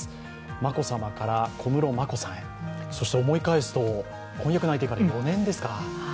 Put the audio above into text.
眞子さまから、小室眞子さんへそして思い返すと婚約内定から４年ですか。